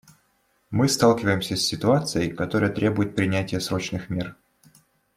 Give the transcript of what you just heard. Мы сталкиваемся с ситуацией, которая требует принятия срочных мер.